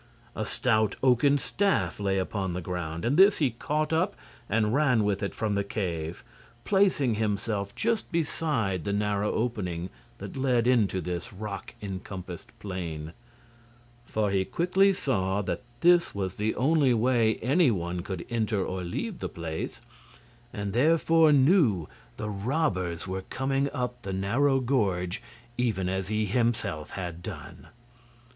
A stout oaken staff lay upon the ground, and this he caught up and ran with it from the cave, placing himself just beside the narrow opening that led into this rock encompassed plain. For he quickly saw that this was the only way any one could enter or leave the place, and therefore knew the robbers were coming up the narrow gorge even as he had himself done.